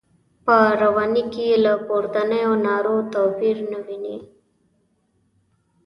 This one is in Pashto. په رواني کې یې له پورتنیو نارو توپیر نه ویني.